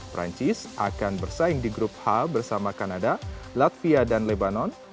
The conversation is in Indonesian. perancis akan bersaing di grup h bersama kanada latvia dan lebanon